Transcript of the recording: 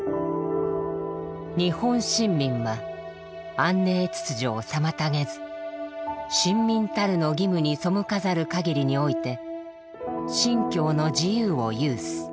「日本臣民は安寧秩序を妨げず臣民たるの義務に背かざる限りにおいて信教の自由を有す」。